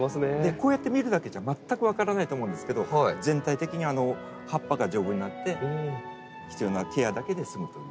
こうやって見るだけじゃ全く分からないと思うんですけど全体的に葉っぱが丈夫になって必要なケアだけで済むというね。